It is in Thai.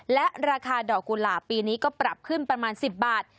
และราคาดอกกุหลาบปีนี้ก็ปรับขึ้นประมาณ๑๐บาท